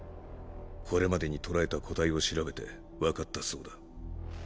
これまでに捕らえた個体を調べてわかったそうだ。